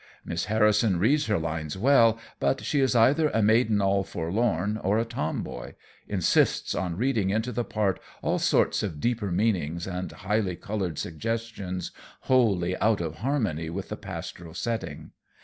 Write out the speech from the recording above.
Miss Harrison reads her lines well, but she is either a maiden all forlorn or a tomboy; insists on reading into the part all sorts of deeper meanings and highly colored suggestions wholly out of harmony with the pastoral setting.